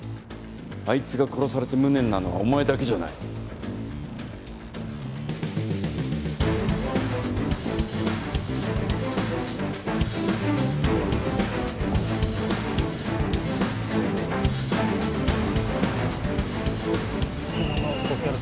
あいつが殺されて無念なのはお前だけじゃない検問のご協力